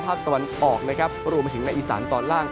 ภาคตะวันออกนะครับรวมไปถึงในอีสานตอนล่าง